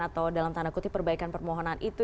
atau dalam tanda kutip perbaikan permohonan itu